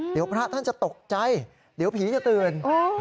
เดี๋ยวพระท่านจะตกใจเดี๋ยวผีจะตื่น